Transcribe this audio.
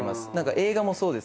映画もそうですけど。